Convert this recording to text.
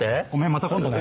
また今度ね。